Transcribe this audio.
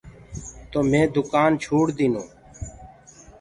تو مي دُڪآن ڇوڙديٚنو۔